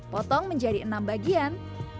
potong menjadi enam bagian